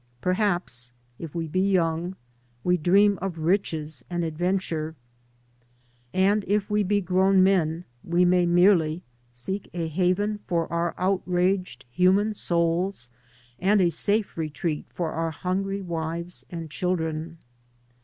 Perhaps, if we be young, we dream of riches and adventure, and if we be grown men we may merely seek a haven for oiur outraged human souls and a safe retreat for our hungry wives and children.